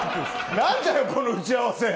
何だよ、この打ち合わせ。